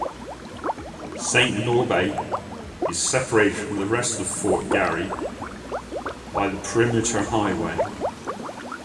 Saint Norbert is separated from the rest of Fort Garry by the Perimeter Highway.